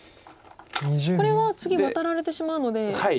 これは次ワタられてしまうので。